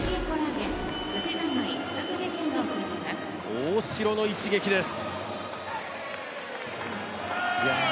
大城の一撃です。